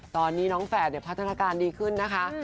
ตอนนี้น้องแฝดเนี่ยพัฒนาการดีขึ้นนะคะ